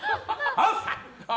ハウス！